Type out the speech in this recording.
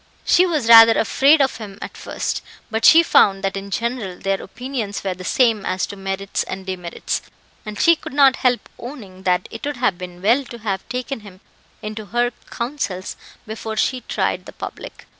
She was rather afraid of him at first, but she found that in general their opinions were the same as to merits and demerits, and she could not help owning that it would have been well to have taken him into her counsels before she tried the public.